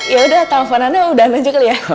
yaudah telfon anda udah udah jika ya